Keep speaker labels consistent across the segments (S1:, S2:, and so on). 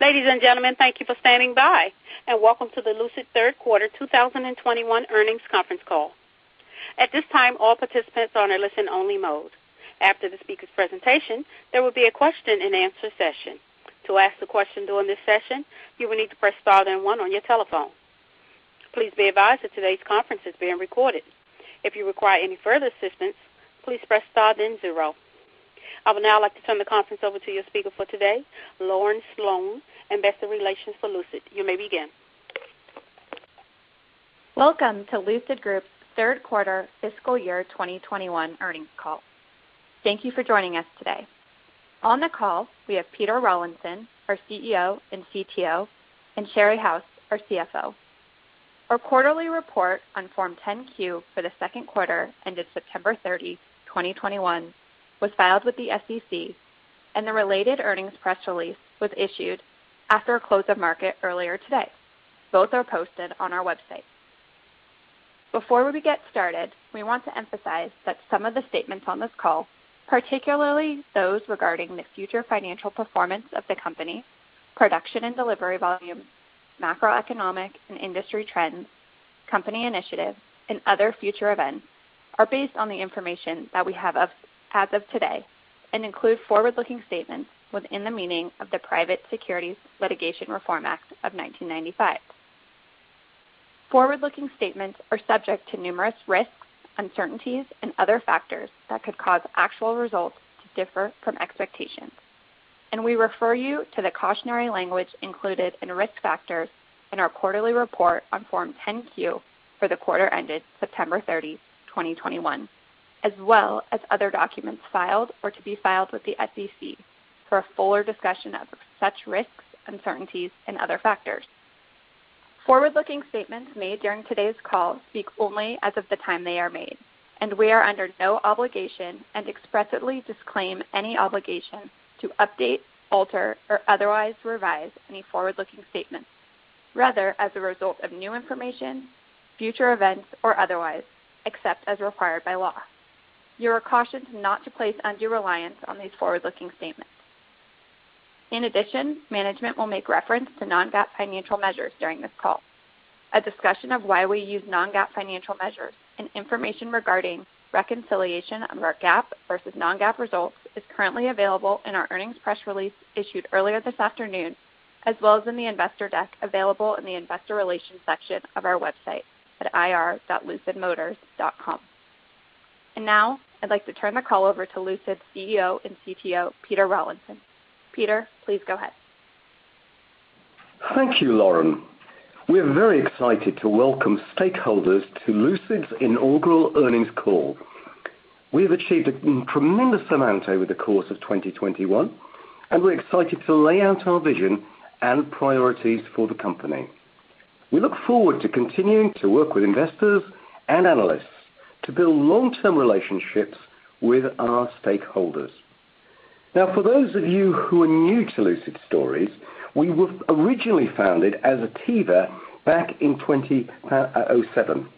S1: Ladies and gentlemen, thank you for standing by, and welcome to the Lucid third quarter 2021 earnings conference call. At this time, all participants are in listen only mode. After the speaker presentation, there will be a question and answer session. To ask the question during this session, you will need to press star then one on your telephone. Please be advised that today's conference is being recorded. If you require any further assistance, please press star then zero. I would now like to turn the conference over to your speaker for today, Lauren Sloane, investor relations for Lucid. You may begin.
S2: Welcome to Lucid Group third quarter fiscal year 2021 earnings call. Thank you for joining us today. On the call, we have Peter Rawlinson, our CEO and CTO, and Sherry House, our CFO. Our quarterly report on Form 10-Q for the second quarter ended September 30, 2021, was filed with the SEC, and the related earnings press release was issued after the close of market earlier today. Both are posted on our website. Before we get started, we want to emphasize that some of the statements on this call, particularly those regarding the future financial performance of the company, production and delivery volumes, macroeconomic and industry trends, company initiatives and other future events, are based on the information that we have as of today and include forward-looking statements within the meaning of the Private Securities Litigation Reform Act of 1995. Forward-looking statements are subject to numerous risks, uncertainties, and other factors that could cause actual results to differ from expectations. We refer you to the cautionary language included in risk factors in our quarterly report on Form 10-Q for the quarter ended September 30, 2021, as well as other documents filed or to be filed with the SEC for a fuller discussion of such risks, uncertainties and other factors. Forward-looking statements made during today's call speak only as of the time they are made, and we are under no obligation and expressly disclaim any obligation to update, alter or otherwise revise any forward-looking statements, rather as a result of new information, future events or otherwise, except as required by law. You are cautioned not to place undue reliance on these forward-looking statements. In addition, management will make reference to non-GAAP financial measures during this call. A discussion of why we use non-GAAP financial measures and information regarding reconciliation of our GAAP versus non-GAAP results is currently available in our earnings press release issued earlier this afternoon, as well as in the investor deck available in the investor relations section of our website at ir.lucidmotors.com. Now I'd like to turn the call over to Lucid CEO and CTO, Peter Rawlinson. Peter, please go ahead.
S3: Thank you, Lauren. We are very excited to welcome stakeholders to Lucid's inaugural earnings call. We have achieved a tremendous amount over the course of 2021, and we're excited to lay out our vision and priorities for the company. We look forward to continuing to work with investors and analysts to build long-term relationships with our stakeholders. Now, for those of you who are new to Lucid's story, we were originally founded as Atieva back in 2007.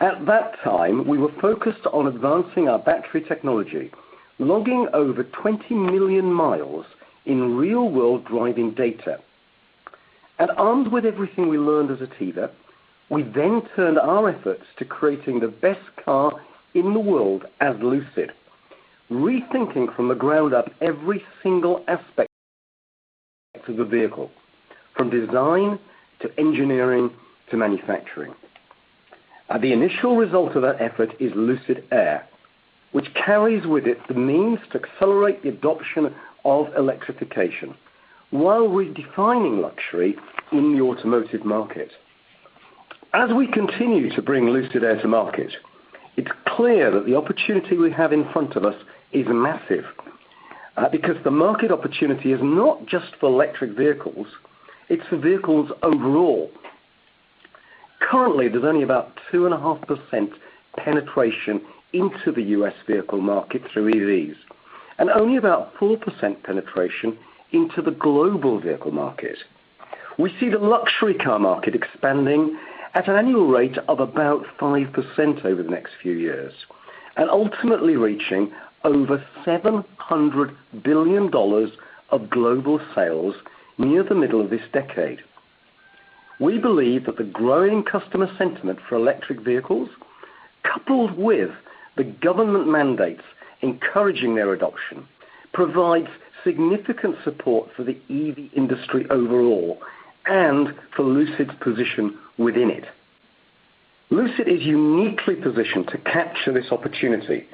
S3: At that time, we were focused on advancing our battery technology, logging over 20 million miles in real-world driving data. Armed with everything we learned as Atieva, we then turned our efforts to creating the best car in the world as Lucid, rethinking from the ground up every single aspect of the vehicle, from design to engineering to manufacturing. The initial result of that effort is Lucid Air, which carries with it the means to accelerate the adoption of electrification while redefining luxury in the automotive market. As we continue to bring Lucid Air to market, it's clear that the opportunity we have in front of us is massive, because the market opportunity is not just for electric vehicles, it's for vehicles overall. Currently, there's only about 2.5% penetration into the U.S. vehicle market through EVs and only about 4% penetration into the global vehicle market. We see the luxury car market expanding at an annual rate of about 5% over the next few years and ultimately reaching over $700 billion of global sales near the middle of this decade. We believe that the growing customer sentiment for electric vehicles, coupled with the government mandates encouraging their adoption, provides significant support for the EV industry overall and for Lucid's position within it. Lucid is uniquely positioned to capture this opportunity,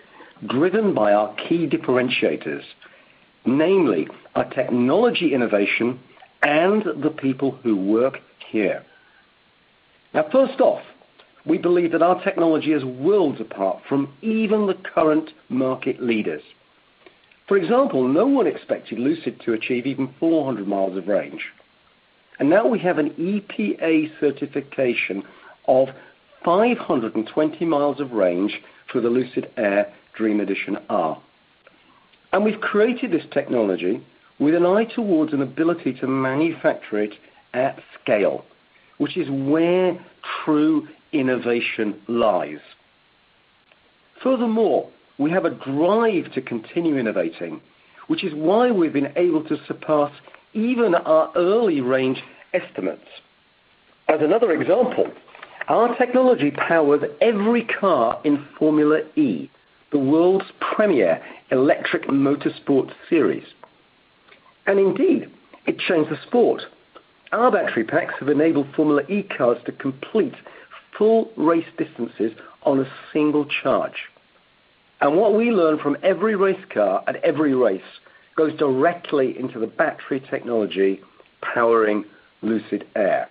S3: driven by our key differentiators, namely our technology innovation and the people who work here. Now, first off, we believe that our technology is worlds apart from even the current market leaders. For example, no one expected Lucid to achieve even 400 miles of range, and now we have an EPA certification of 520 miles of range for the Lucid Air Dream Edition R. We've created this technology with an eye towards an ability to manufacture it at scale, which is where true innovation lies. Furthermore, we have a drive to continue innovating, which is why we've been able to surpass even our early range estimates. As another example, our technology powers every car in Formula E, the world's premier electric motorsport series. Indeed, it changed the sport. Our battery packs have enabled Formula E cars to complete full race distances on a single charge. What we learn from every race car at every race goes directly into the battery technology powering Lucid Air.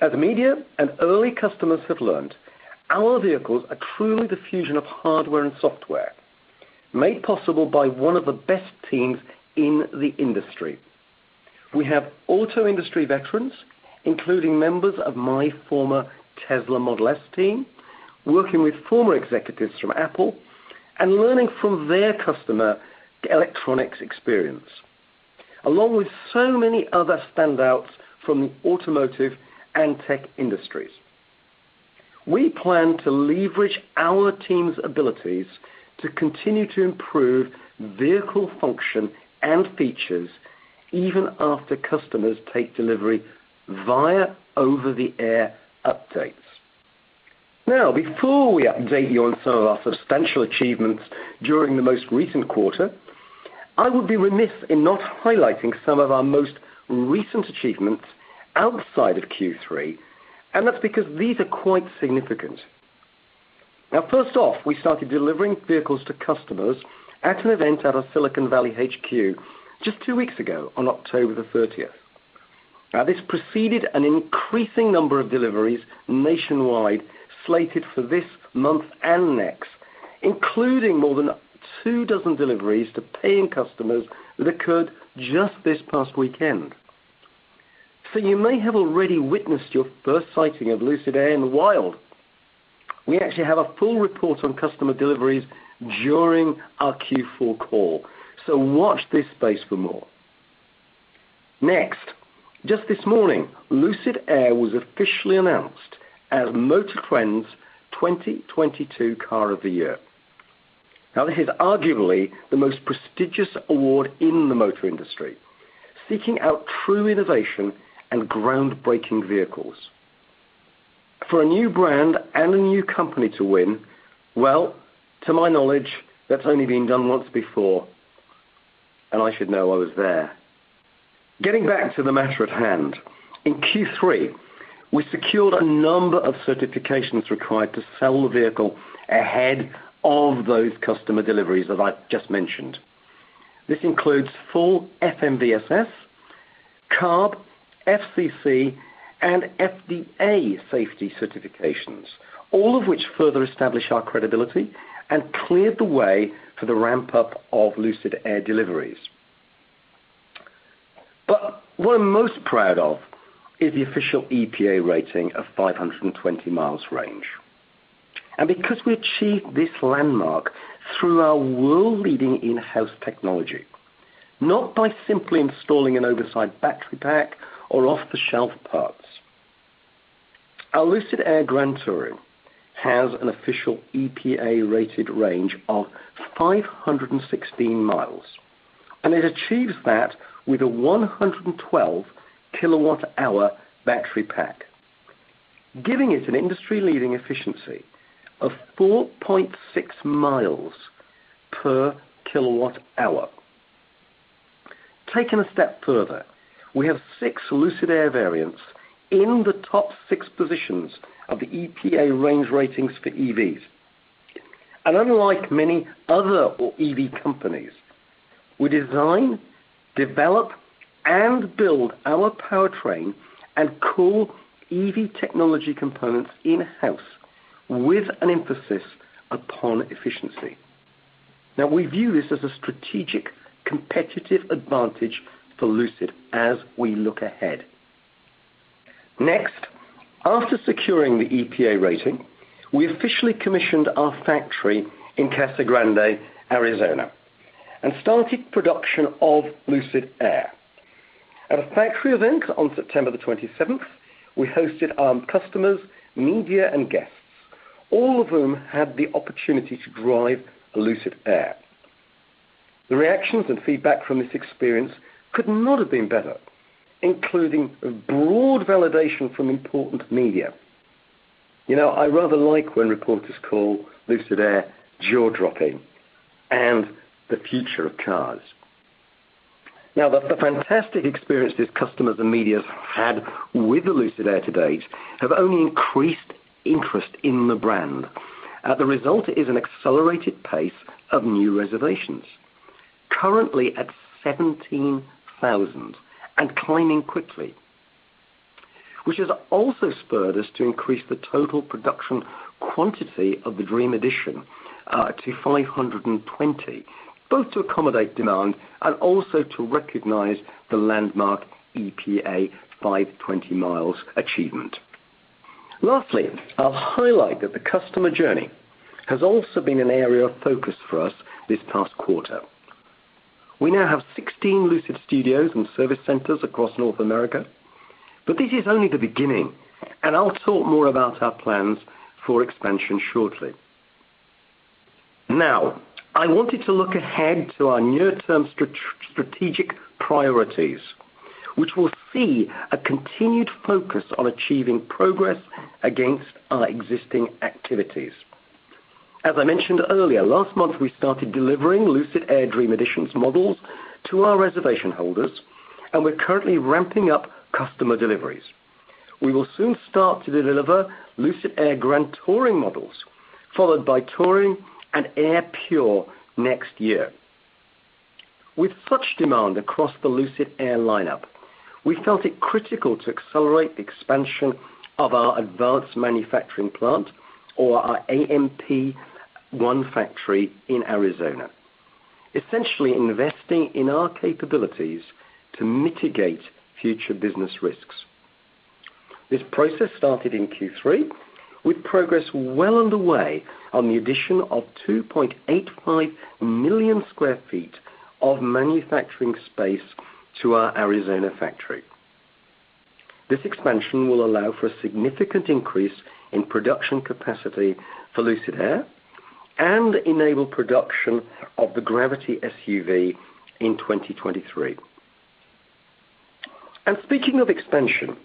S3: As media and early customers have learned, our vehicles are truly the fusion of hardware and software, made possible by one of the best teams in the industry. We have auto industry veterans, including members of my former Tesla Model S team, working with former executives from Apple and learning from their customer electronics experience, along with so many other standouts from the automotive and tech industries. We plan to leverage our team's abilities to continue to improve vehicle function and features even after customers take delivery via over-the-air updates. Now, before we update you on some of our substantial achievements during the most recent quarter, I would be remiss in not highlighting some of our most recent achievements outside of Q3, and that's because these are quite significant. Now, first off, we started delivering vehicles to customers at an event at our Silicon Valley HQ just two weeks ago on October the thirtieth. Now, this preceded an increasing number of deliveries nationwide slated for this month and next, including more than two dozen deliveries to paying customers that occurred just this past weekend. So you may have already witnessed your first sighting of Lucid Air in the wild. We actually have a full report on customer deliveries during our Q4 call, so watch this space for more. Next, just this morning, Lucid Air was officially announced as MotorTrend's 2022 Car of the Year. Now, this is arguably the most prestigious award in the motor industry, seeking out true innovation and groundbreaking vehicles. For a new brand and a new company to win, well, to my knowledge, that's only been done once before, and I should know, I was there. Getting back to the matter at hand, in Q3, we secured a number of certifications required to sell the vehicle ahead of those customer deliveries as I just mentioned. This includes full FMVSS, CARB, FCC, and FCA safety certifications, all of which further establish our credibility and cleared the way for the ramp-up of Lucid Air deliveries. What I'm most proud of is the official EPA rating of 520 miles range, and because we achieved this landmark through our world-leading in-house technology, not by simply installing an oversized battery pack or off-the-shelf parts. Our Lucid Air Grand Touring has an official EPA-rated range of 516 miles, and it achieves that with a 112 kWh battery pack, giving it an industry-leading efficiency of 4.6 miles per kWh. Taking a step further, we have six Lucid Air variants in the top six positions of the EPA range ratings for EVs. Unlike many other EV companies, we design, develop, and build our powertrain and core EV technology components in-house with an emphasis upon efficiency. Now, we view this as a strategic competitive advantage for Lucid as we look ahead. Next, after securing the EPA rating, we officially commissioned our factory in Casa Grande, Arizona, and started production of Lucid Air. At a factory event on September the twenty-seventh, we hosted our customers, media, and guests, all of whom had the opportunity to drive a Lucid Air. The reactions and feedback from this experience could not have been better, including a broad validation from important media. You know, I rather like when reporters call Lucid Air jaw-dropping and the future of cars. Now, the fantastic experiences customers and media have had with the Lucid Air to date have only increased interest in the brand. The result is an accelerated pace of new reservations, currently at 17,000 and climbing quickly, which has also spurred us to increase the total production quantity of the Dream Edition to 520, both to accommodate demand and also to recognize the landmark EPA 520 miles achievement. Lastly, I'll highlight that the customer journey has also been an area of focus for us this past quarter. We now have 16 Lucid studios and service centers across North America, but this is only the beginning, and I'll talk more about our plans for expansion shortly. Now, I wanted to look ahead to our near-term strategic priorities, which will see a continued focus on achieving progress against our existing activities. As I mentioned earlier, last month, we started delivering Lucid Air Dream Edition models to our reservation holders, and we're currently ramping up customer deliveries. We will soon start to deliver Lucid Air Grand Touring models, followed by Touring and Pure next year. With such demand across the Lucid Air lineup, we felt it critical to accelerate the expansion of our advanced manufacturing plant or our AMP One factory in Arizona, essentially investing in our capabilities to mitigate future business risks. This process started in Q3 with progress well underway on the addition of 2.85 million sq ft of manufacturing space to our Arizona factory. This expansion will allow for a significant increase in production capacity for Lucid Air and enable production of the Gravity SUV in 2023. Speaking of expansion,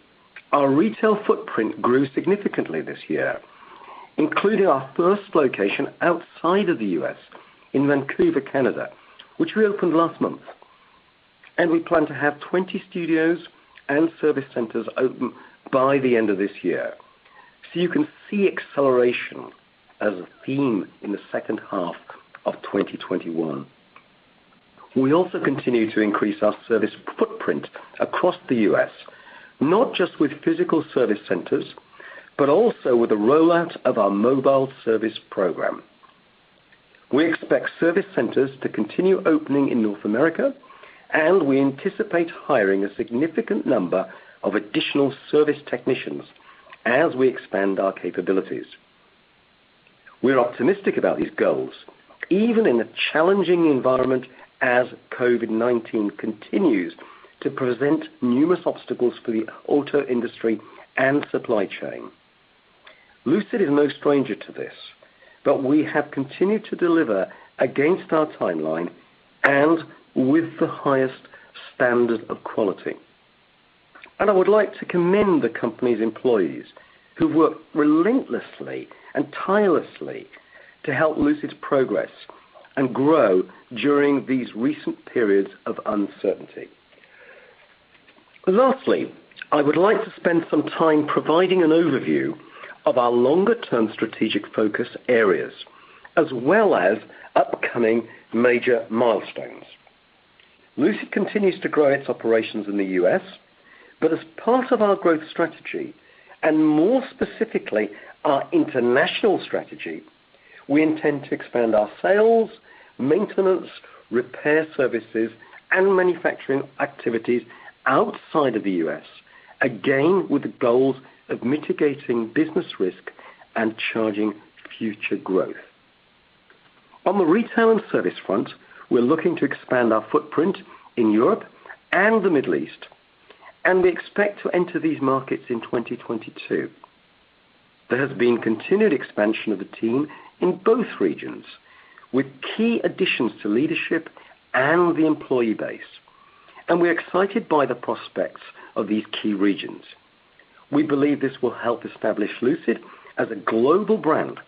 S3: our retail footprint grew significantly this year, including our first location outside of the U.S. in Vancouver, Canada, which we opened last month. We plan to have 20 studios and service centers open by the end of this year. You can see acceleration as a theme in the second half of 2021. We also continue to increase our service footprint across the U.S., not just with physical service centers, but also with the rollout of our mobile service program. We expect service centers to continue opening in North America, and we anticipate hiring a significant number of additional service technicians as we expand our capabilities. We're optimistic about these goals, even in a challenging environment as COVID-19 continues to present numerous obstacles for the auto industry and supply chain. Lucid is no stranger to this, but we have continued to deliver against our timeline and with the highest standard of quality. I would like to commend the company's employees who work relentlessly and tirelessly to help Lucid progress and grow during these recent periods of uncertainty. Lastly, I would like to spend some time providing an overview of our longer-term strategic focus areas, as well as upcoming major milestones. Lucid continues to grow its operations in the U.S., but as part of our growth strategy, and more specifically, our international strategy, we intend to expand our sales, maintenance, repair services, and manufacturing activities outside of the U.S., again, with the goals of mitigating business risk and charting future growth. On the retail and service front, we're looking to expand our footprint in Europe and the Middle East, and we expect to enter these markets in 2022. There has been continued expansion of the team in both regions with key additions to leadership and the employee base, and we're excited by the prospects of these key regions. We believe this will help establish Lucid as a global brand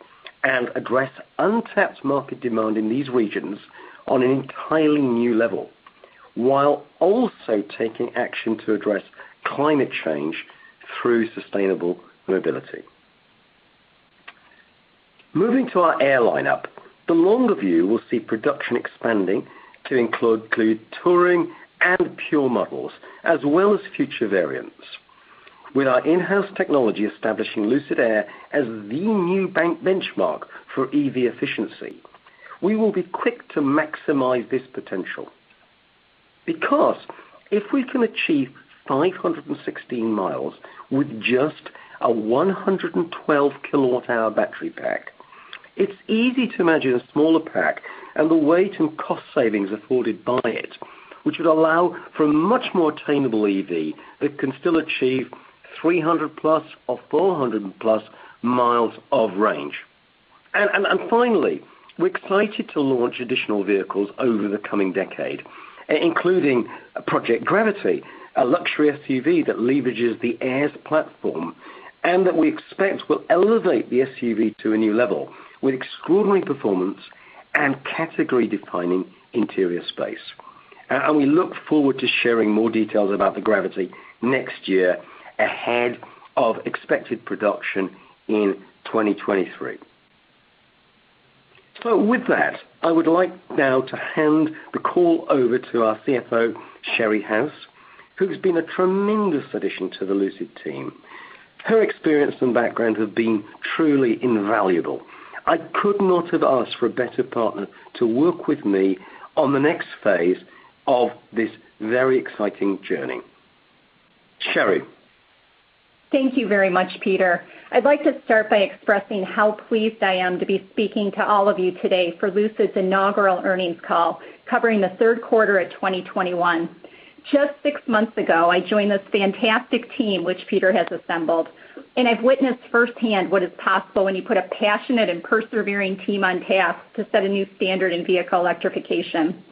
S3: and address untapped market demand in these regions on an entirely new level, while also taking action to address climate change through sustainable mobility. Moving to our Air lineup, the longer view will see production expanding to include Touring and Pure models, as well as future variants. With our in-house technology establishing Lucid Air as the new benchmark for EV efficiency, we will be quick to maximize this potential. Because if we can achieve 516 miles with just a 112 kWh battery pack, it's easy to imagine a smaller pack and the weight and cost savings afforded by it, which would allow for a much more attainable EV that can still achieve 300+ or 400+ miles of range. Finally, we're excited to launch additional vehicles over the coming decade, including Project Gravity, a luxury SUV that leverages the Air's platform and that we expect will elevate the SUV to a new level with extraordinary performance and category-defining interior space. We look forward to sharing more details about the Gravity next year ahead of expected production in 2023. With that, I would like now to hand the call over to our CFO, Sherry House, who's been a tremendous addition to the Lucid team. Her experience and background have been truly invaluable. I could not have asked for a better partner to work with me on the next phase of this very exciting journey. Sherry?
S4: Thank you very much, Peter. I'd like to start by expressing how pleased I am to be speaking to all of you today for Lucid's inaugural earnings call covering the third quarter of 2021. Just six months ago, I joined this fantastic team which Peter has assembled, and I've witnessed firsthand what is possible when you put a passionate and persevering team on task to set a new standard in vehicle electrification.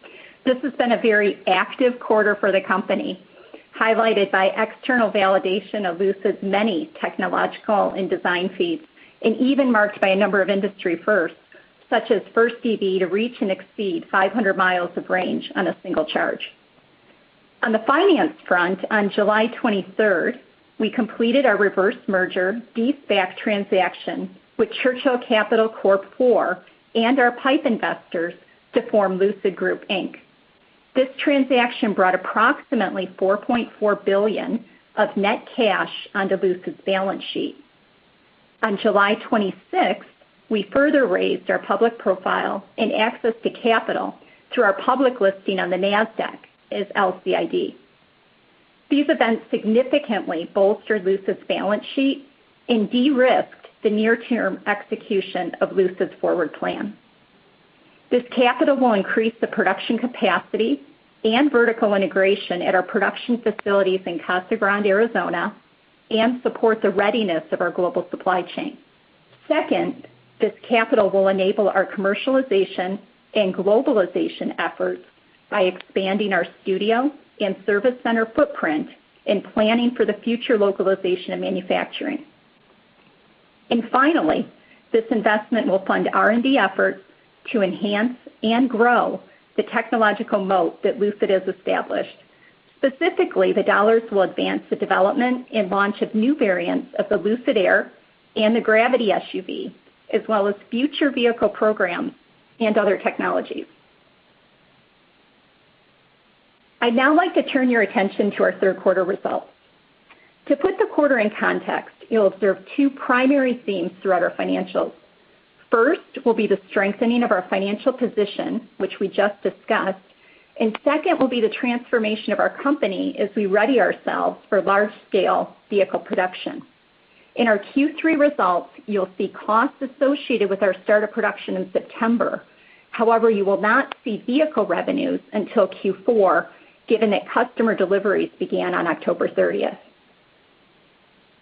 S4: This has been a very active quarter for the company, highlighted by external validation of Lucid's many technological and design feats, and even marked by a number of industry firsts, such as first EV to reach and exceed 500 miles of range on a single charge. On the finance front, on July 23, we completed our reverse merger de-SPAC transaction with Churchill Capital Corp IV and our PIPE investors to form Lucid Group, Inc. This transaction brought approximately $4.4 billion of net cash onto Lucid's balance sheet. On July 26th, we further raised our public profile and access to capital through our public listing on the Nasdaq as LCID. These events significantly bolstered Lucid's balance sheet and de-risked the near-term execution of Lucid's forward plan. This capital will increase the production capacity and vertical integration at our production facilities in Casa Grande, Arizona, and support the readiness of our global supply chain. Second, this capital will enable our commercialization and globalization efforts by expanding our studio and service center footprint and planning for the future localization of manufacturing. Finally, this investment will fund R&D efforts to enhance and grow the technological moat that Lucid has established. Specifically, the dollars will advance the development and launch of new variants of the Lucid Air and the Gravity SUV, as well as future vehicle programs and other technologies. I'd now like to turn your attention to our third quarter results. To put the quarter in context, you'll observe two primary themes throughout our financials. First will be the strengthening of our financial position, which we just discussed. Second will be the transformation of our company as we ready ourselves for large-scale vehicle production. In our Q3 results, you'll see costs associated with our start of production in September. However, you will not see vehicle revenues until Q4, given that customer deliveries began on October thirtieth.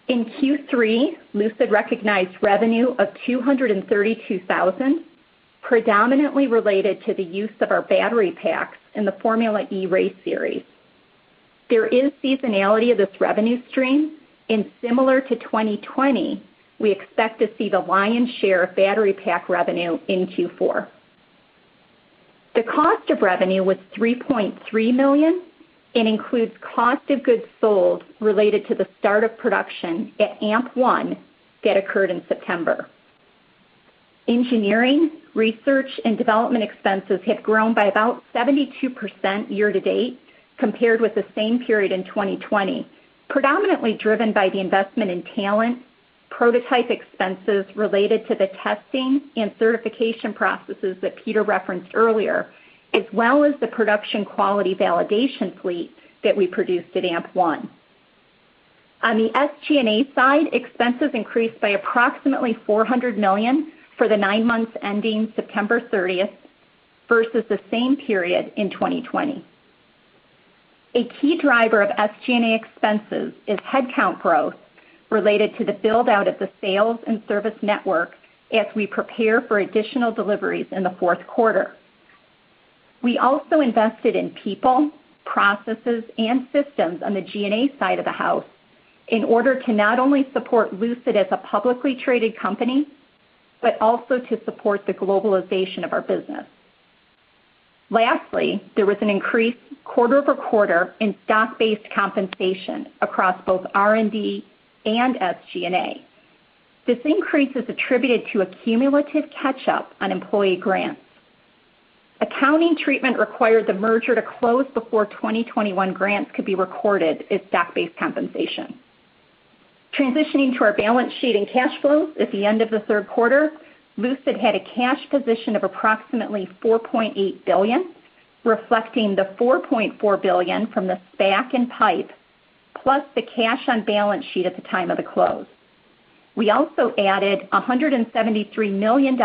S4: In Q3, Lucid recognized revenue of $232,000, predominantly related to the use of our battery packs in the Formula E race series. There is seasonality of this revenue stream, and similar to 2020, we expect to see the lion's share of battery pack revenue in Q4. The cost of revenue was $3.3 million and includes cost of goods sold related to the start of production at AMP-1 that occurred in September. Engineering, research, and development expenses have grown by about 72% year to date compared with the same period in 2020, predominantly driven by the investment in talent, prototype expenses related to the testing and certification processes that Peter referenced earlier, as well as the production quality validation fleet that we produced at AMP-1. On the SG&A side, expenses increased by approximately $400 million for the nine months ending September 30 versus the same period in 2020. A key driver of SG&A expenses is headcount growth related to the build-out of the sales and service network as we prepare for additional deliveries in the fourth quarter. We also invested in people, processes, and systems on the G&A side of the house in order to not only support Lucid as a publicly traded company, but also to support the globalization of our business. Lastly, there was an increase quarter-over-quarter in stock-based compensation across both R&D and SG&A. This increase is attributed to a cumulative catch-up on employee grants. Accounting treatment required the merger to close before 2021 grants could be recorded as stock-based compensation. Transitioning to our balance sheet and cash flows at the end of the third quarter, Lucid had a cash position of approximately $4.8 billion, reflecting the $4.4 billion from the SPAC and PIPE, plus the cash on balance sheet at the time of the close. We also added $173 million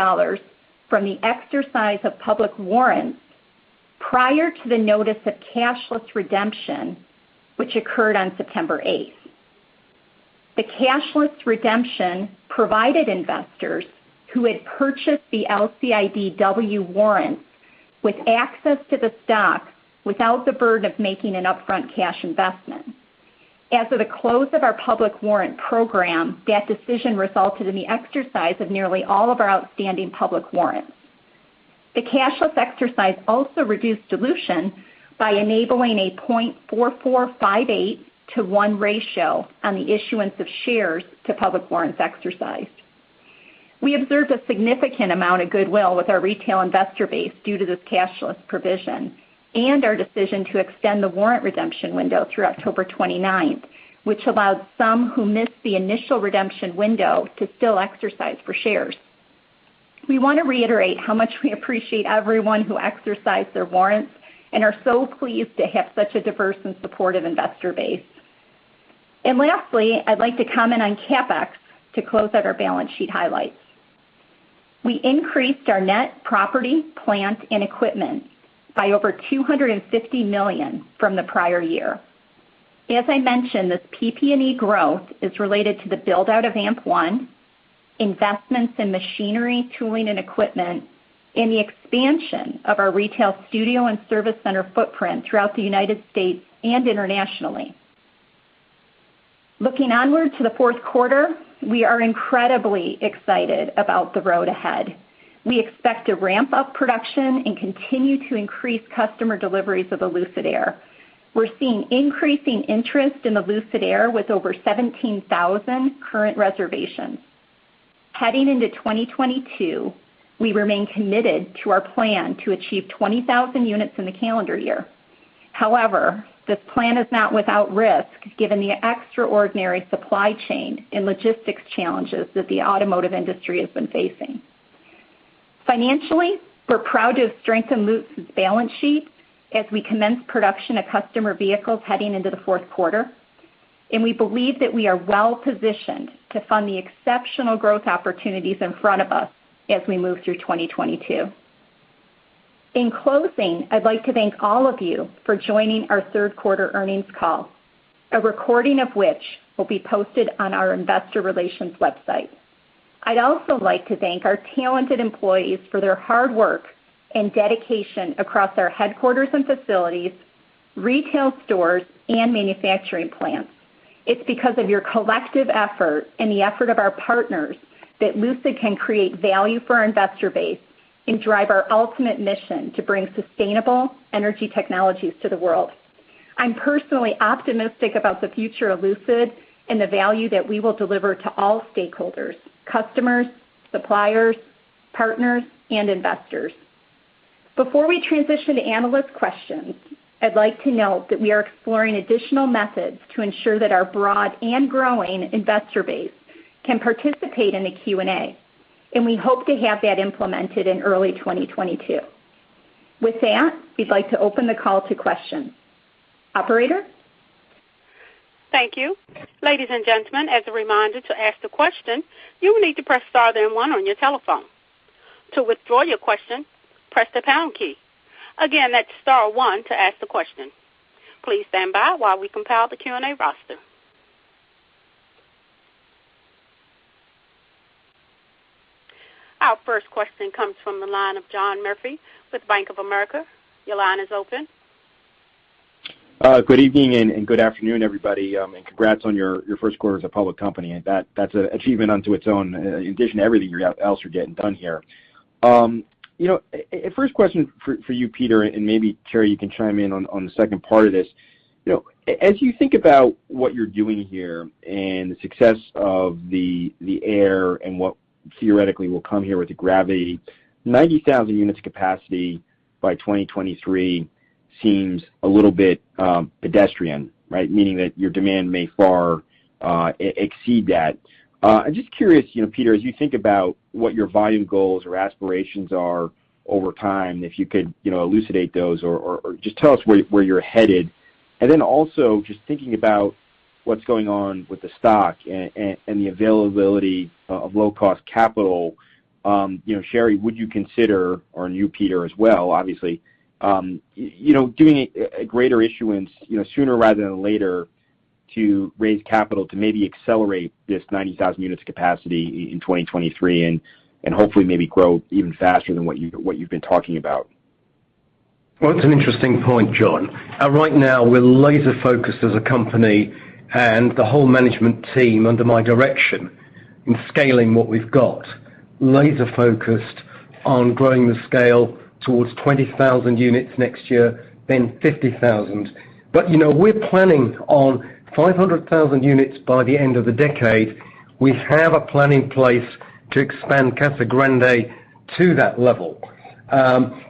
S4: from the exercise of public warrants prior to the notice of cashless redemption, which occurred on September 8. The cashless redemption provided investors who had purchased the LCIDW warrants with access to the stock without the burden of making an upfront cash investment. As of the close of our public warrant program, that decision resulted in the exercise of nearly all of our outstanding public warrants. The cashless exercise also reduced dilution by enabling a 0.4458-to-1 ratio on the issuance of shares to public warrants exercised. We observed a significant amount of goodwill with our retail investor base due to this cashless provision and our decision to extend the warrant redemption window through October 29, which allowed some who missed the initial redemption window to still exercise for shares. We wanna reiterate how much we appreciate everyone who exercise their warrants and are so pleased to have such a diverse and supportive investor base. Lastly, I'd like to comment on CapEx to close out our balance sheet highlights. We increased our net property, plant, and equipment by over $250 million from the prior year. As I mentioned, this PP&E growth is related to the build-out of AMP-One, investments in machinery, tooling, and equipment, and the expansion of our retail studio and service center footprint throughout the United States and internationally. Looking onward to the fourth quarter, we are incredibly excited about the road ahead. We expect to ramp up production and continue to increase customer deliveries of the Lucid Air. We're seeing increasing interest in the Lucid Air with over 17,000 current reservations. Heading into 2022, we remain committed to our plan to achieve 20,000 units in the calendar year. However, this plan is not without risk given the extraordinary supply chain and logistics challenges that the automotive industry has been facing. Financially, we're proud to have strengthened Lucid's balance sheet as we commence production of customer vehicles heading into the fourth quarter, and we believe that we are well-positioned to fund the exceptional growth opportunities in front of us as we move through 2022. In closing, I'd like to thank all of you for joining our third quarter earnings call, a recording of which will be posted on our investor relations website. I'd also like to thank our talented employees for their hard work and dedication across our headquarters and facilities, retail stores, and manufacturing plants. It's because of your collective effort and the effort of our partners that Lucid can create value for our investor base and drive our ultimate mission to bring sustainable energy technologies to the world. I'm personally optimistic about the future of Lucid and the value that we will deliver to all stakeholders, customers, suppliers, partners, and investors. Before we transition to analyst questions, I'd like to note that we are exploring additional methods to ensure that our broad and growing investor base can participate in the Q&A, and we hope to have that implemented in early 2022. With that, we'd like to open the call to questions. Operator?
S1: Thank you. Ladies and gentlemen, as a reminder, to ask the question, you will need to press star then one on your telephone. To withdraw your question, press the pound key. Again, that's star one to ask the question. Please stand by while we compile the Q&A roster. Our first question comes from the line of John Murphy with Bank of America. Your line is open.
S5: Good evening and good afternoon, everybody, and congrats on your first quarter as a public company. That's an achievement unto itself, in addition to everything else you're getting done here. You know, first question for you, Peter, and maybe Sherry, you can chime in on the second part of this. You know, as you think about what you're doing here and the success of the Air and what theoretically will come here with the Gravity, 90,000 units capacity by 2023 seems a little bit pedestrian, right? Meaning that your demand may far exceed that. I'm just curious, you know, Peter, as you think about what your volume goals or aspirations are over time, if you could, you know, elucidate those or just tell us where you're headed. Then also just thinking about what's going on with the stock and the availability of low-cost capital, you know, Sherry, would you consider or you, Peter, as well, obviously, you know, doing a greater issuance, you know, sooner rather than later to raise capital to maybe accelerate this 90,000 units capacity in 2023 and hopefully maybe grow even faster than what you've been talking about?
S3: Well, it's an interesting point, John. Right now, we're laser-focused as a company and the whole management team under my direction in scaling what we've got. Laser-focused on growing the scale towards 20,000 units next year, then 50,000. You know, we're planning on 500,000 units by the end of the decade. We have a plan in place to expand Casa Grande to that level.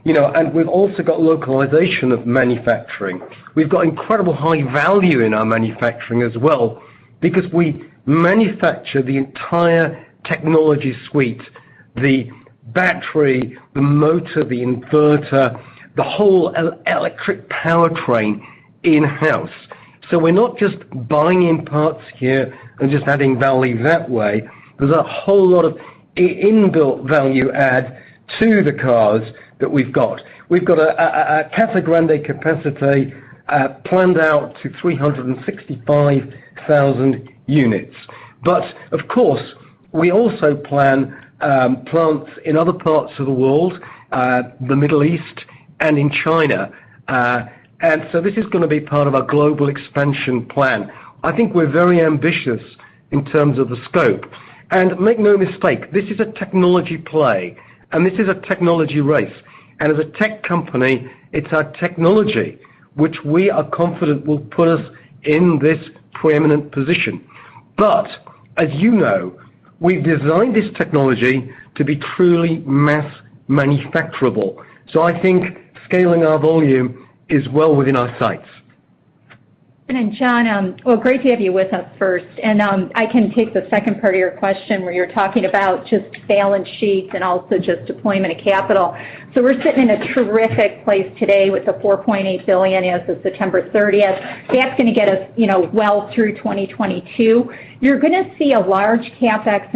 S3: You know, and we've also got localization of manufacturing. We've got incredible high value in our manufacturing as well because we manufacture the entire technology suite, the battery, the motor, the inverter, the whole electric powertrain in-house. So we're not just buying in parts here and just adding value that way. There's a whole lot of inbuilt value add to the cars that we've got. We've got a Casa Grande capacity planned out to 365,000 units. But of course, we also plan plants in other parts of the world, the Middle East and in China. This is gonna be part of our global expansion plan. I think we're very ambitious in terms of the scope. Make no mistake, this is a technology play, and this is a technology race. As a tech company, it's our technology which we are confident will put us in this preeminent position. But as you know, we've designed this technology to be truly mass manufacturable. I think scaling our volume is well within our sights.
S4: Then John, well, great to have you with us first. I can take the second part of your question where you're talking about just balance sheets and also just deployment of capital. We're sitting in a terrific place today with the $4.8 billion as of September 30. That's gonna get us, you know, well through 2022. You're gonna see a large CapEx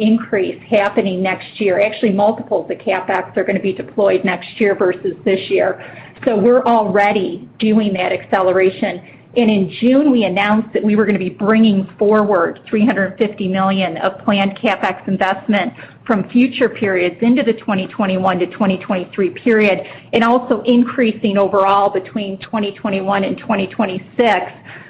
S4: increase happening next year. Actually, multiples of CapEx are gonna be deployed next year versus this year. We're already doing that acceleration. In June, we announced that we were gonna be bringing forward $350 million of planned CapEx investment from future periods into the 2021 to 2023 period, and also increasing overall between 2021 and 2026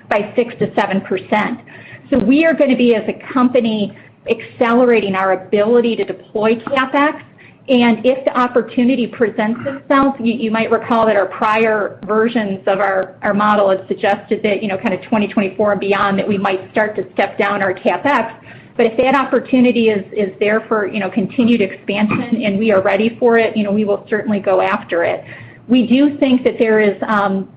S4: by 6%-7%. We are gonna be, as a company, accelerating our ability to deploy CapEx. If the opportunity presents itself, you might recall that our prior versions of our model have suggested that, you know, kind of 2024 and beyond that we might start to step down our CapEx. If that opportunity is there for, you know, continued expansion and we are ready for it, you know, we will certainly go after it. We do think that there is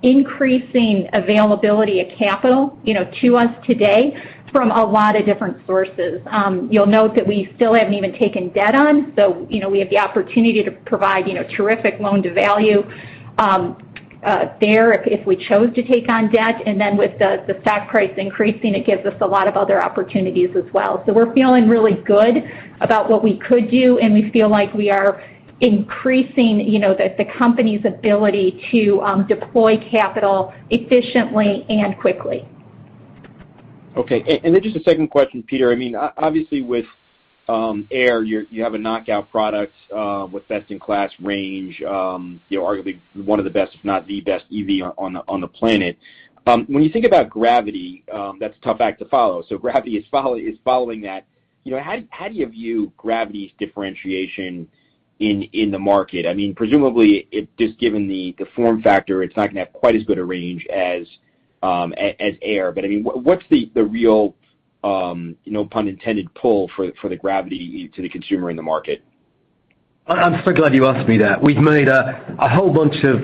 S4: increasing availability of capital, you know, to us today from a lot of different sources. You'll note that we still haven't even taken debt on, so, you know, we have the opportunity to provide, you know, terrific loan-to-value there if we chose to take on debt. With the stock price increasing, it gives us a lot of other opportunities as well. We're feeling really good about what we could do, and we feel like we are increasing, you know, the company's ability to deploy capital efficiently and quickly.
S5: Just a second question, Peter. I mean, obviously with Air, you have a knockout product with best-in-class range, you know, arguably one of the best, if not the best EV on the planet. When you think about Gravity, that's a tough act to follow. Gravity is following that. You know, how do you view Gravity's differentiation in the market? I mean, presumably it just given the form factor, it's not gonna have quite as good a range as Air. I mean, what's the real, no pun intended, pull for the Gravity to the consumer in the market?
S3: I'm so glad you asked me that. We've made a whole bunch of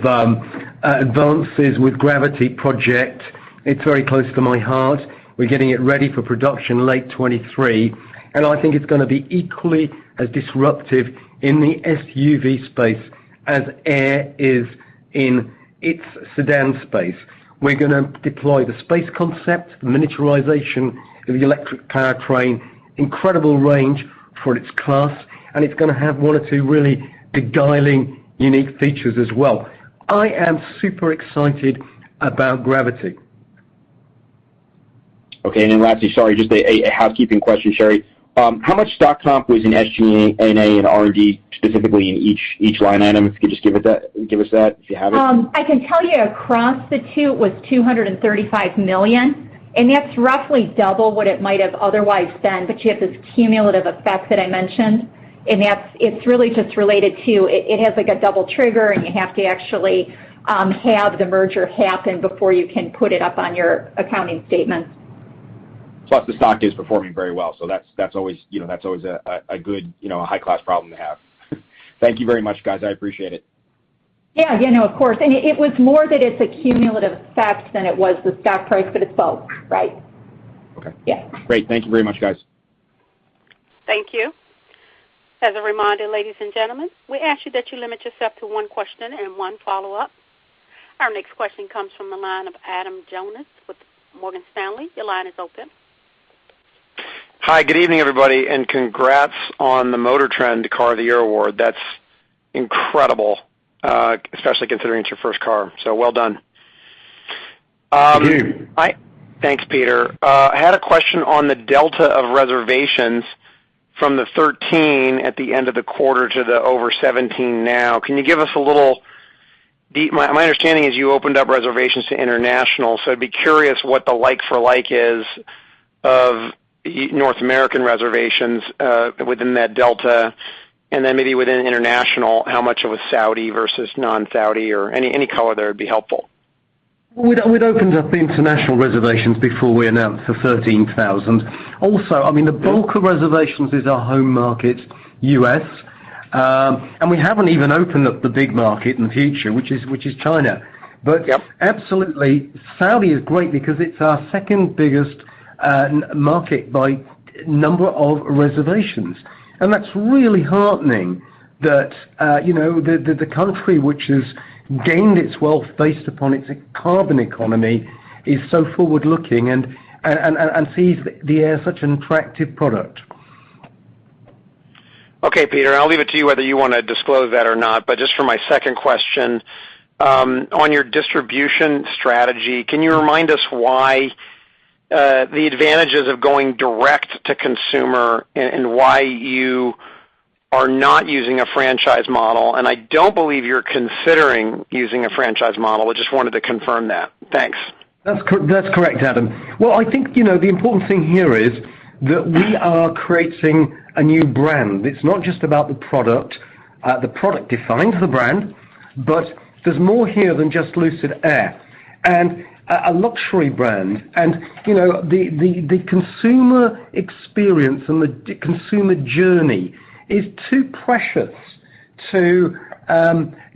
S3: advances with Gravity project. It's very close to my heart. We're getting it ready for production late 2023, and I think it's gonna be equally as disruptive in the SUV space as Air is in its sedan space. We're gonna deploy the space concept, the miniaturization of the electric powertrain, incredible range for its class, and it's gonna have one or two really beguiling unique features as well. I am super excited about Gravity.
S5: Okay. Lastly, sorry, just a housekeeping question, Sherry. How much stock comp was in SG&A and R&D, specifically in each line item? If you could just give us that, if you have it.
S4: I can tell you across the two, it was $235 million, and that's roughly double what it might have otherwise been. You have this cumulative effect that I mentioned, and that's it really just related to. It has, like, a double trigger, and you have to have the merger happen before you can put it up on your accounting statement.
S5: Plus, the stock is performing very well. That's always, you know, a good, you know, a high-class problem to have. Thank you very much, guys. I appreciate it.
S4: Yeah. Yeah, no, of course. It was more that it's a cumulative effect than it was the stock price, but it's both, right?
S5: Okay.
S4: Yeah.
S5: Great. Thank you very much, guys.
S1: Thank you. As a reminder, ladies and gentlemen, we ask you that you limit yourself to one question and one follow-up. Our next question comes from the line of Adam Jonas with Morgan Stanley. Your line is open.
S6: Hi, good evening, everybody, and congrats on the MotorTrend Car of the Year award. That's incredible, especially considering it's your first car, so well done.
S3: Thank you.
S6: Thanks, Peter. I had a question on the delta of reservations from the 13 at the end of the quarter to the over 17 now. Can you give us a little. My understanding is you opened up reservations to international, so I'd be curious what the like for like is of North American reservations within that delta. Then maybe within international, how much it was Saudi versus non-Saudi or any color there would be helpful.
S3: We'd opened up the international reservations before we announced the 13,000. Also, I mean, the bulk of reservations is our home market, U.S. We haven't even opened up the big market in the future, which is China.
S6: Yep.
S3: Absolutely, Saudi is great because it's our second biggest market by number of reservations. That's really heartening that you know that the country which has gained its wealth based upon its carbon economy is so forward-looking and sees the Air as such an attractive product.
S6: Okay, Peter. I'll leave it to you whether you wanna disclose that or not. Just for my second question, on your distribution strategy, can you remind us why the advantages of going direct to consumer and why you are not using a franchise model? I don't believe you're considering using a franchise model. I just wanted to confirm that. Thanks.
S3: That's correct, Adam. Well, I think, you know, the important thing here is that we are creating a new brand. It's not just about the product. The product defines the brand, but there's more here than just Lucid Air. A luxury brand and, you know, the consumer experience and the consumer journey is too precious to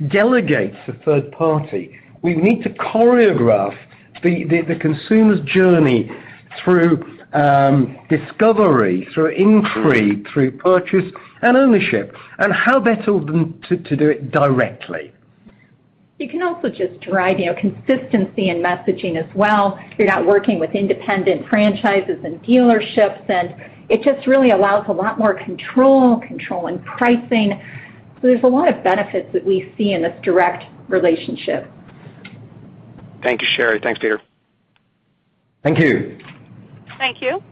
S3: delegate to third party. We need to choreograph the consumer's journey through discovery, through inquiry, through purchase and ownership. How better than to do it directly.
S4: You can also just drive, you know, consistency in messaging as well. You're not working with independent franchises and dealerships, and it just really allows a lot more control in pricing. There's a lot of benefits that we see in this direct relationship.
S6: Thank you, Sherry. Thanks, Peter.
S3: Thank you.
S1: Thank you.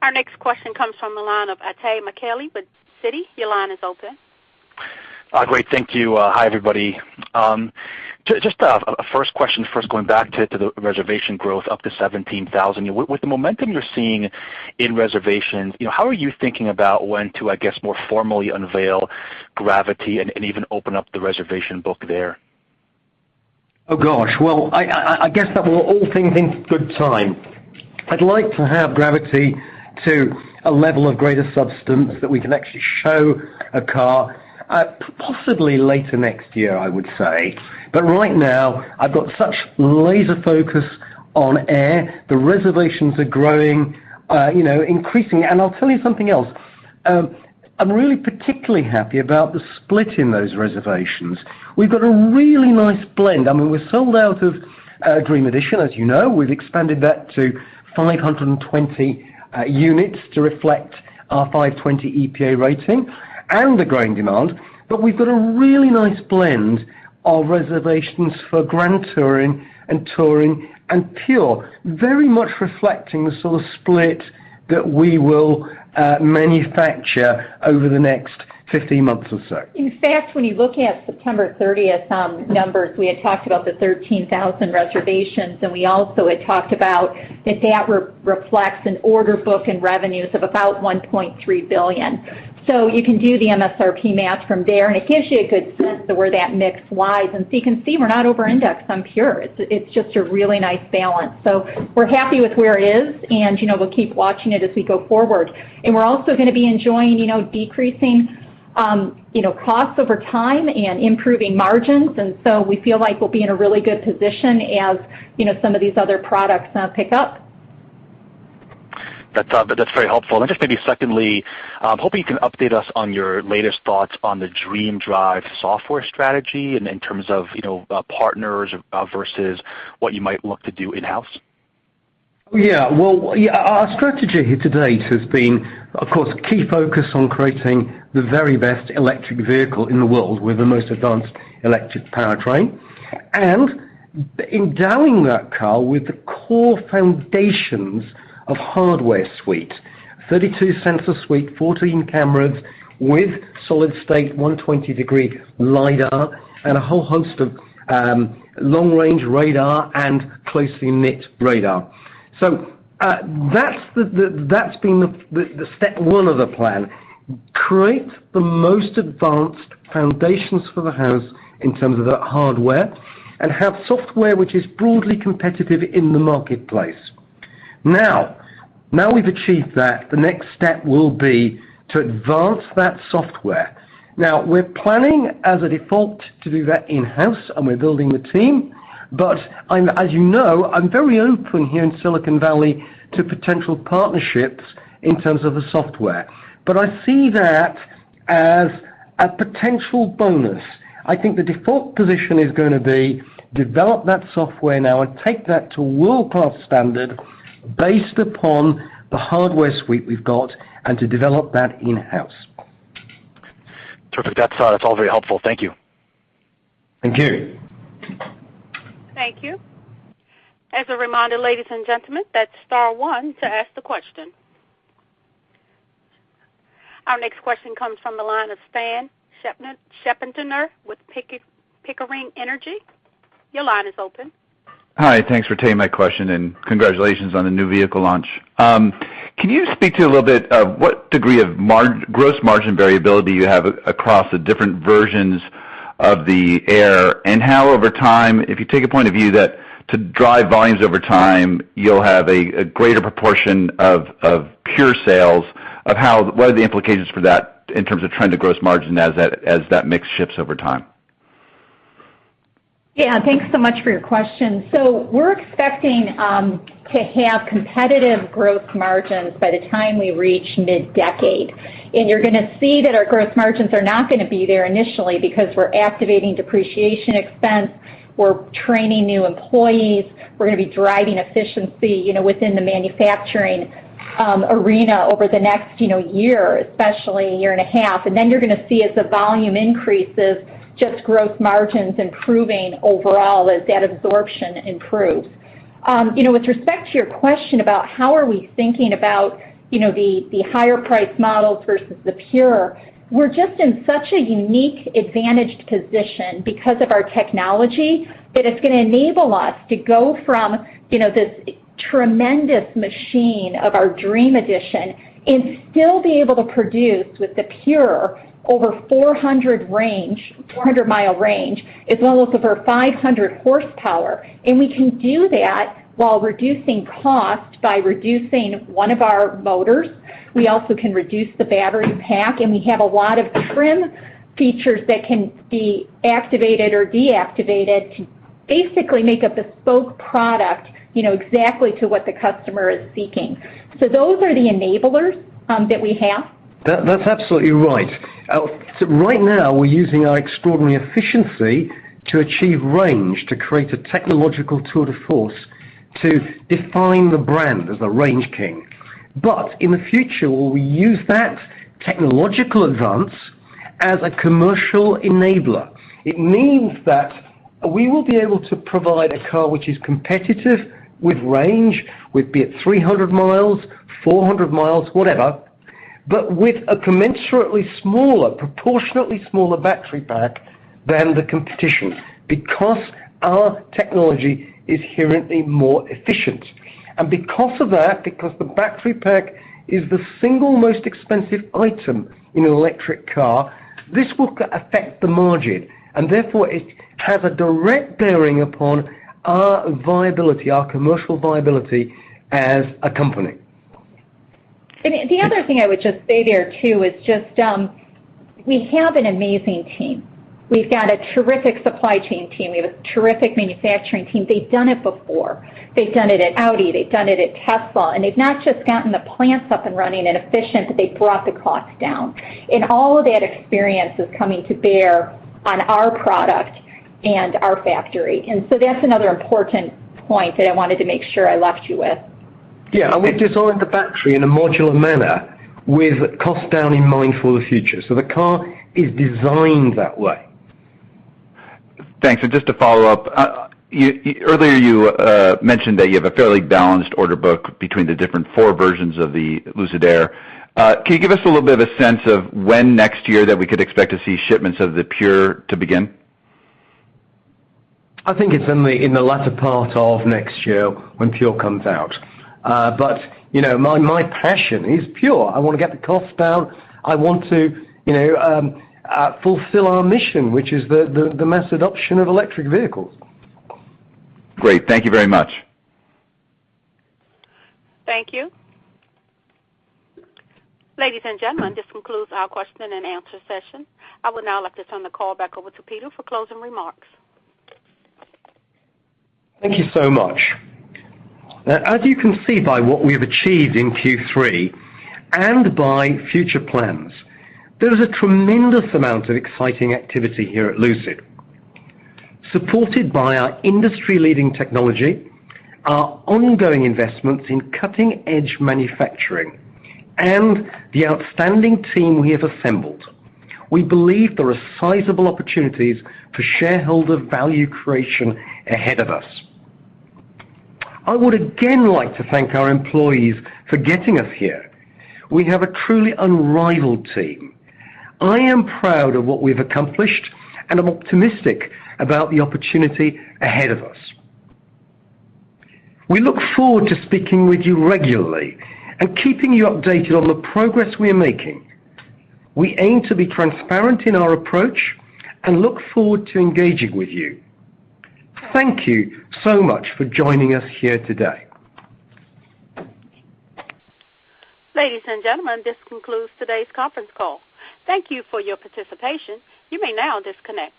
S1: Our next question comes from the line of Itay Michaeli with Citi. Your line is open.
S7: Great. Thank you. Hi, everybody. Just a first question first, going back to the reservation growth up to 17,000. With the momentum you're seeing in reservations, you know, how are you thinking about when to, I guess, more formally unveil Gravity and even open up the reservation book there?
S3: Oh, gosh. Well, I guess with all things in good time. I'd like to have Gravity to a level of greater substance that we can actually show a car, possibly later next year, I would say. But right now, I've got such laser focus on Air. The reservations are growing, you know, increasing. I'll tell you something else. I'm really particularly happy about the split in those reservations. We've got a really nice blend. I mean, we're sold out of Dream Edition, as you know. We've expanded that to 520 units to reflect our 520 EPA rating and the growing demand. But we've got a really nice blend of reservations for Grand Touring and Touring and Pure, very much reflecting the sort of split that we will manufacture over the next 15 months or so.
S4: In fact, when you look at September 30 numbers, we had talked about the 13,000 reservations, and we also had talked about that reflects an order book in revenues of about $1.3 billion. You can do the MSRP math from there, and it gives you a good sense of where that mix lies. You can see we're not overindexed on Pure. It's just a really nice balance. We're happy with where it is, and you know, we'll keep watching it as we go forward. We're also gonna be enjoying you know, decreasing you know, costs over time and improving margins. We feel like we'll be in a really good position as you know, some of these other products pick up.
S7: That's very helpful. Just maybe secondly, hoping you can update us on your latest thoughts on the DreamDrive software strategy in terms of, you know, partners versus what you might look to do in-house.
S3: Yeah. Well, yeah, our strategy to date has been, of course, a key focus on creating the very best electric vehicle in the world with the most advanced electric powertrain, and endowing that car with the core foundations of a hardware suite: 32-sensor suite, 14 cameras with solid-state 120-degree lidar and a whole host of long-range radar and closely knit radar. That's been the step one of the plan, create the most advanced foundations for the house in terms of that hardware and have software which is broadly competitive in the marketplace. Now we've achieved that, the next step will be to advance that software. Now we're planning as a default to do that in-house, and we're building the team. As you know, I'm very open here in Silicon Valley to potential partnerships in terms of the software. I see that as a potential bonus. I think the default position is gonna be develop that software now and take that to world-class standard based upon the hardware suite we've got and to develop that in-house.
S7: Terrific. That's all very helpful. Thank you.
S3: Thank you.
S1: Thank you. As a reminder, ladies and gentlemen, that's star one to ask the question. Our next question comes from the line of Colin Rusch with Pickering Energy. Your line is open.
S8: Hi. Thanks for taking my question, and congratulations on the new vehicle launch. Can you speak to a little bit of what degree of gross margin variability you have across the different versions of the Air and how over time, if you take a point of view that to drive volumes over time you'll have a greater proportion of Pure sales, what are the implications for that in terms of trend to gross margin as that mix shifts over time?
S4: Yeah. Thanks so much for your question. We're expecting to have competitive gross margins by the time we reach mid-decade. You're gonna see that our gross margins are not gonna be there initially because we're activating depreciation expense, we're training new employees, we're gonna be driving efficiency, you know, within the manufacturing arena over the next, you know, year, especially a year and a half. You're gonna see as the volume increases, just gross margins improving overall as that absorption improves. You know, with respect to your question about how we are thinking about, you know, the higher priced models versus the Pure, we are just in such a unique advantaged position because of our technology that it is going to enable us to go from, you know, this tremendous machine of our Dream Edition and still be able to produce with the Pure over 400 range, 400-mile range as well as over 500 horsepower. We can do that while reducing cost by reducing one of our motors. We also can reduce the battery pack, and we have a lot of trim features that can be activated or deactivated to basically make a bespoke product, you know, exactly to what the customer is seeking. Those are the enablers that we have.
S3: That's absolutely right. So right now we're using our extraordinary efficiency to achieve range, to create a technological tour de force to define the brand as a range king. In the future, we use that technological advance as a commercial enabler. It means that we will be able to provide a car which is competitive with range, be it 300 miles, 400 miles, whatever, but with a commensurately smaller, proportionately smaller battery pack than the competition because our technology is inherently more efficient. Because of that, because the battery pack is the single most expensive item in an electric car, this will affect the margin, and therefore, it has a direct bearing upon our viability, our commercial viability as a company.
S4: The other thing I would just say there, too, is just, we have an amazing team. We've got a terrific supply chain team. We have a terrific manufacturing team. They've done it before. They've done it at Audi, they've done it at Tesla, and they've not just gotten the plants up and running and efficient, but they brought the costs down. All of that experience is coming to bear on our product and our factory. That's another important point that I wanted to make sure I left you with.
S3: Yeah. We designed the factory in a modular manner with cost down in mind for the future. The car is designed that way.
S8: Thanks. Just to follow up. Earlier, you mentioned that you have a fairly balanced order book between the different four versions of the Lucid Air. Can you give us a little bit of a sense of when next year that we could expect to see shipments of the Pure to begin?
S3: I think it's in the latter part of next year when Pure comes out. You know, my passion is Pure. I wanna get the costs down. I want to, you know, fulfill our mission, which is the mass adoption of electric vehicles.
S8: Great. Thank you very much.
S1: Thank you. Ladies and gentlemen, this concludes our question and answer session. I would now like to turn the call back over to Peter for closing remarks.
S3: Thank you so much. Now, as you can see by what we have achieved in Q3 and by future plans, there is a tremendous amount of exciting activity here at Lucid. Supported by our industry-leading technology, our ongoing investments in cutting-edge manufacturing, and the outstanding team we have assembled, we believe there are sizable opportunities for shareholder value creation ahead of us. I would again like to thank our employees for getting us here. We have a truly unrivaled team. I am proud of what we've accomplished, and I'm optimistic about the opportunity ahead of us. We look forward to speaking with you regularly and keeping you updated on the progress we are making. We aim to be transparent in our approach and look forward to engaging with you. Thank you so much for joining us here today.
S1: Ladies and gentlemen, this concludes today's conference call. Thank you for your participation. You may now disconnect.